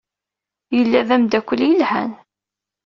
Yella d ameddakel yelhan.